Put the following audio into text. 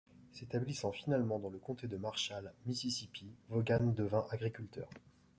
S'établissant finalement dans le comté de Marshall, Mississippi, Vaughan devient agriculteur.